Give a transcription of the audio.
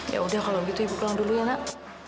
ya udah kalau gitu ibu pulang dulu ya nak